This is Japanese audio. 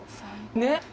ねっ！